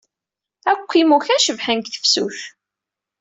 Akk imukan cebḥen deg tefsut.